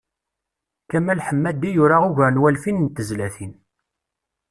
Kamal Ḥemmadi yura ugar n walfin n tezlatin.